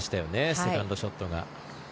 セカンドショットが。